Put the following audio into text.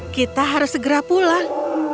kita harus segera pulang